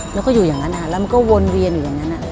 แล้วก็อยู่อย่างนั้นแล้วมันก็วนเวียนอยู่อย่างนั้น